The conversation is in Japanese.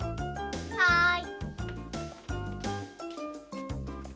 はい。